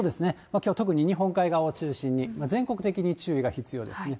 きょうは特に日本海側を中心に、全国的に注意が必要ですね。